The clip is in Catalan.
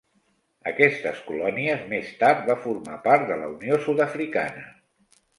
Aquestes colònies més tard va formar part de la Unió Sud-africana.